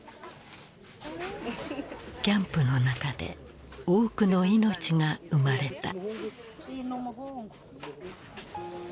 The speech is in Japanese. キャンプの中で多くの命が生まれた。